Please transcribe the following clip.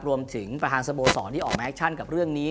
รวมถึงประธานสโมสรที่ออกมาแอคชั่นกับเรื่องนี้